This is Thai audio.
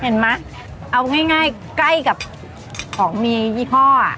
เห็นมะเอาง่ายใกล้กับของมียี่พ่อ